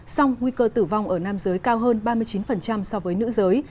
song nguy cơ tử vong ở nam giới cao hơn ba mươi chín so với nữ giới